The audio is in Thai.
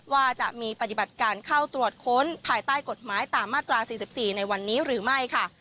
ว่าจะมีปฏิบัติการเข้าตรวจค้นภายใต้กฎหมายตามมาตรา๔๔ในวันนี้หรือไม่ค่ะ